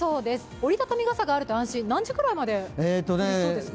折りたたみ傘があると安心、何時くらいまで降りそうですか？